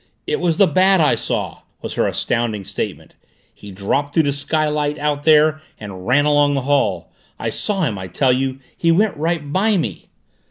"It was the Bat I saw," was her astounding statement. "He dropped through the skylight out there and ran along the hall. I saw him I tell you. He went right by me!"